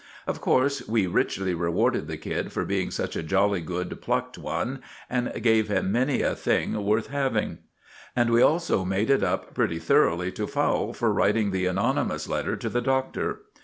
Of course we richly rewarded the kid for being such a jolly good plucked one, and gave him many a thing worth having; and we also made it up pretty thoroughly to Fowle for writing the anonymous letter to the Doctor.